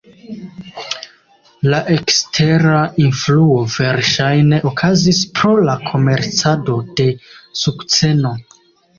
La ekstera influo verŝajne okazis pro la komercado de sukceno.